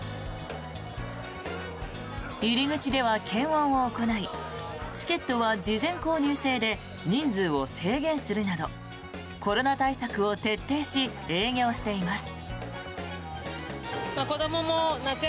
入り口では検温を行いチケットは事前購入制で人数を制限するなどコロナ対策を徹底し営業しています。